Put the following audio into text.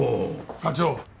課長。